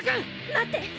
待って！